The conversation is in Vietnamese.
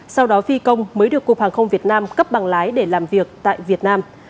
sau đó phi công mới được cục hàng không việt nam cấp bằng lái để làm việc tại việt nam